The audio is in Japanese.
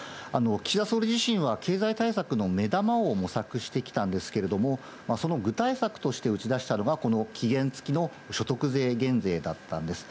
岸田総理自身は経済対策の目玉を模索してきたんですけれども、その具体策として打ち出したのが、この期限付きの所得税減税だったんです。